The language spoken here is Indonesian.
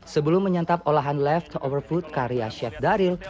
sebelum menyantap olahan left over food karya chef daril